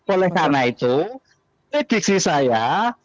oleh karena itu prediksi saya